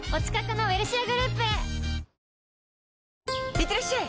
いってらっしゃい！